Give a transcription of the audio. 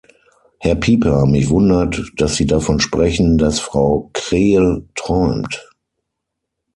Herr Pieper, mich wundert, dass Sie davon sprechen, dass Frau Krehl träumt.